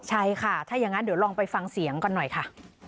ใช่ค่ะถ้าอย่างนั้นเดี๋ยวลองไปฟังเสียงกันหน่อยค่ะ